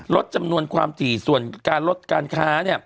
ลดจำนวนความถี่ส่วนการลดการค้า